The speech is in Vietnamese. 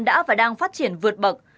đã và đang phát triển vượt bậc